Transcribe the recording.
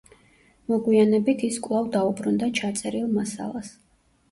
მოგვიანებით ის კვლავ დაუბრუნდა ჩაწერილ მასალას.